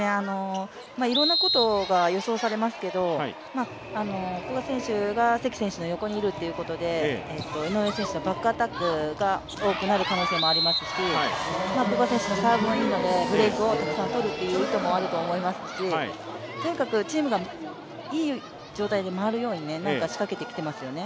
いろんなことが予想されますけど古賀選手が関選手の横にいるということで井上選手のバックアタックが多くなる可能性もありますし、古賀選手のサーブがいいので、ブレイクをたくさん取るという意図もあると思いますしとにかくチームがいい状態で回るように仕掛けてきていますよね。